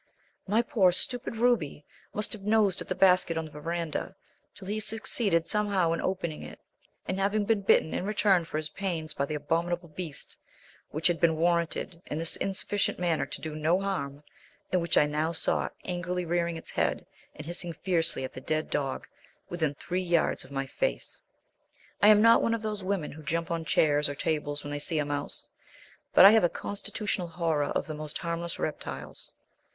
My poor, stupid Ruby must have nosed at the basket on the verandah till he succeeded somehow in opening it, and have been bitten in return for his pains by the abominable beast which had been warranted in this insufficient manner to do no harm, and which I now saw angrily rearing its head and hissing fiercely at the dead dog within three yards of my face. I am not one of those women who jump on chairs or tables when they see a mouse, but I have a constitutional horror of the most harmless reptiles.